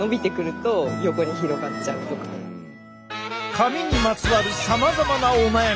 髪にまつわるさまざまなお悩み。